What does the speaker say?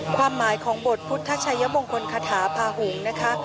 ความหมายของบทพุทธชัยมงคลคาถาพาหงษ์นะคะ